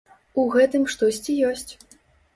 У гэтым штосьці ёсць.